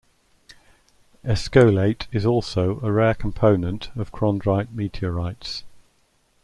Eskolaite is also a rare component of chondrite meteorites.